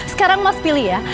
sekarang mas pilih ya